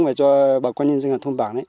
mà cho bà con nhân dân thôn bán